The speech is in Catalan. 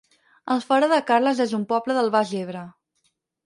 Alfara de Carles es un poble del Baix Ebre